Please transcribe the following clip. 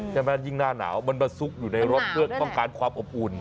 ใช่ไหมยิ่งหน้าหนาวมันมาซุกอยู่ในรถเพื่อต้องการความอบอุ่น